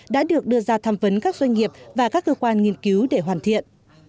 đã được đưa ra tham vấn các doanh nghiệp và các cơ quan nghiên cứu để hoàn thiện